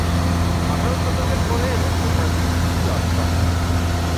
আঠারো শতকের পরে এদের প্রসার বিস্তৃতি লাভ করে।